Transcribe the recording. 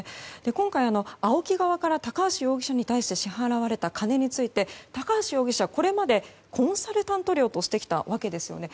今回、ＡＯＫＩ側から高橋容疑者に対して支払われた金について高橋容疑者はこれまで、コンサルタント料としてきたわけですよね。